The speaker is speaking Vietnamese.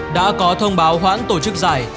đã có thông báo khoãn tổ chức giải